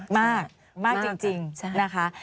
มากมากจริงนะคะ